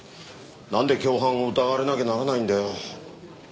なんで共犯を疑われなきゃならないんだよ。